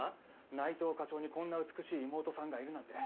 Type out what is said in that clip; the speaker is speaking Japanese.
内藤課長にこんな美しい妹さんがいるなんて。